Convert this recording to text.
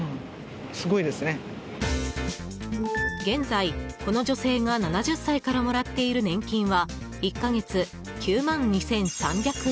現在、この女性が７０歳からもらっている年金は１か月９万２３００円。